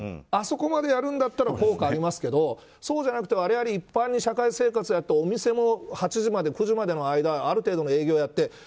あそこまでやるんだったら効果ありますけどそうじゃなくてもあれを一般生活でやってお店も８時まで、９時までの間ある程度の営業をやって。